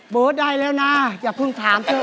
บอกว่าได้เร็วนะอย่าคุ้มถามสินะ